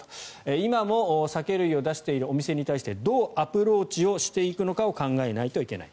今も酒類を出しているお店に対してどうアプローチしていくのかを考えないといけない。